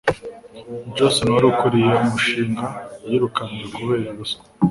Jason wari ukuriye umushinga, yirukanwe kubera ruswa.